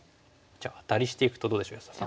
じゃあアタリしていくとどうでしょう安田さん。